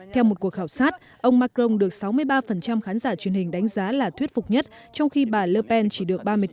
theo một cuộc khảo sát ông macron được sáu mươi ba khán giả truyền hình đánh giá là thuyết phục nhất trong khi bà lerpen chỉ được ba mươi bốn